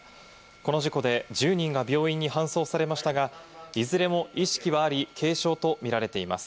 この事故で１０人が病院に搬送されましたが、いずれも意識はあり、軽傷とみられています。